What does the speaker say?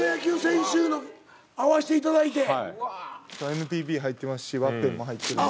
ＮＰＢ入ってますしワッペンも入ってるんで。